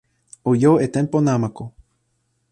o jo e tenpo namako.